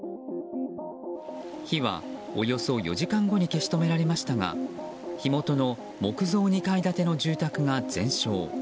火はおよそ４時間後に消し止められましたが火元の木造２階建ての住宅が全焼。